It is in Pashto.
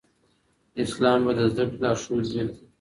اسلام به د زده کړې لارښود وي.